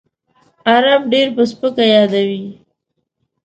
عرب ډېر په سپکه یادوي.